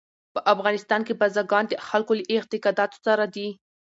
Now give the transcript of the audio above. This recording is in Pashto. په افغانستان کې بزګان د خلکو له اعتقاداتو سره دي.